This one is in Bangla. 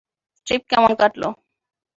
ট্রিপ কেমন কাটলো?